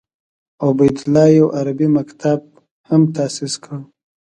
عبیدالله یو عربي مکتب هم تاسیس کړ.